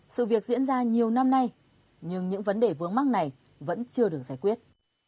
sự việc diễn ra nhiều năm nay nhưng những vấn đề vướng mắc này vẫn chưa được giải quyết